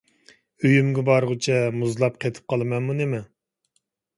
ئۆيۈمگە بارغۇچە مۇزلاپ قېتىپ قالىمەنمۇ نېمە؟